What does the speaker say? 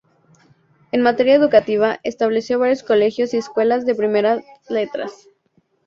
En materia educativa, estableció varios colegios y escuelas de primeras letras.